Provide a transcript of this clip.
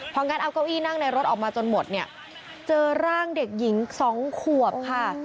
พองั้นเอาเก้าอี้นั่งในรถออกมาจนหมดเนี่ยเจอร่างเด็กหญิง๒ขวบค่ะ